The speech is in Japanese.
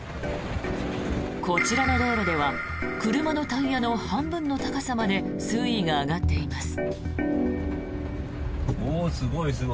こちらの道路では車のタイヤの半分の高さまで水位が上がっています。